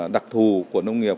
đặc thù của nông nghiệp